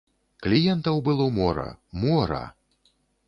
Кліентаў было мора, мо-ра!